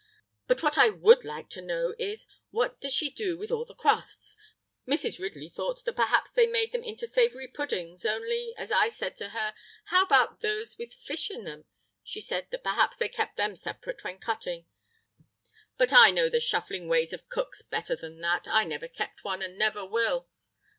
"But what I would like to know is, what does she do with all the crusts? Mrs. Ridley thought that perhaps they made them up into savoury puddings; only, as I said to her: How about those with fish in them? She said that perhaps they kept them separate when cutting; but I know the shuffling ways of cooks better than that! I never kept one, and I never will....